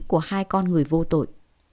của hai con người vô tội